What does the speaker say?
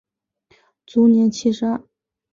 卒年七十二。